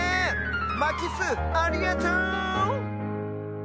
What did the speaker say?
まきすありがとう！